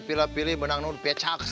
pilih pilih menang nur pijaks